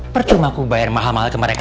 percuma aku bayar mahal mahal ke mereka